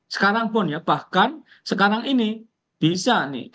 sekarang pun ya bahkan sekarang ini bisa nih